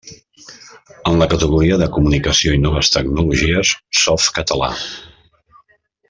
En la categoria de comunicació i noves tecnologies, Softcatalà.